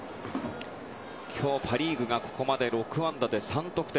今日、パ・リーグがここまで６安打３得点。